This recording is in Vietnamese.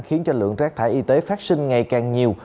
khiến cho lượng rác thải y tế phát sinh ngày càng nhiều